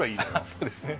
そうですね